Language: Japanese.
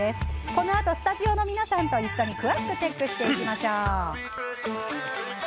このあとスタジオの皆さんと一緒に詳しくチェックしていきましょう。